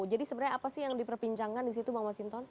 jadi sebenarnya apa sih yang diperbincangkan di situ bang masinton